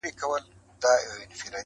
زه په تنهايي کي لاهم سور یمه,